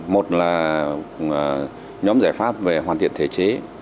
một là nhóm giải pháp về hoàn thiện thể chế